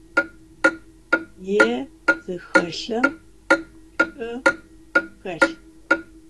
Yê zıxelhım ş'u xelh.